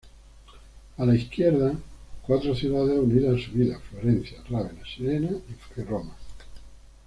A la izquierda, cuatro ciudades unidas a su vida: Florencia, Rávena, Siena y Roma.